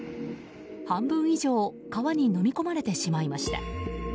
半分以上川にのみ込まれてしまいました。